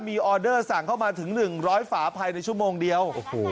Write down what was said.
มีออเดอร์สั่งเข้ามาถึง๑๐๐ฝาภายในชั่วโมงเดียว